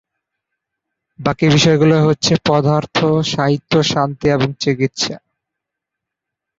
বাকি বিষয়গুলো হচ্ছে পদার্থ, সাহিত্য, শান্তি এবং চিকিৎসা।